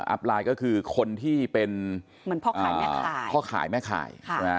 อัพไลน์ก็คือคนที่เป็นเหมือนพ่อขายแม่ขาย